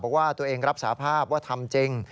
บอกว่าตัวเองรับสาภาพว่าทำจริง